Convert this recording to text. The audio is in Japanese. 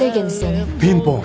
ピンポン！